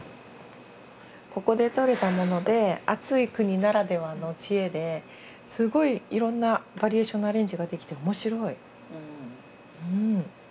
ここでとれたもので暑い国ならではの知恵ですごいいろんなバリエーションのアレンジができて面白い。